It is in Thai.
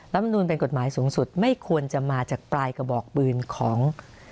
มนุนเป็นกฎหมายสูงสุดไม่ควรจะมาจากปลายกระบอกปืนของ